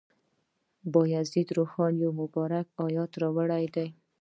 بایزید روښان یو مبارک آیت راوړی دی.